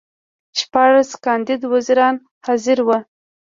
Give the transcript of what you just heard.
شپاړس کاندید وزیران حاضر وو.